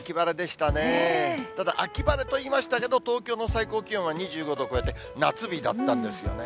ただ秋晴れと言いましたけど、東京の最高気温は２５度を超えて夏日だったんですよね。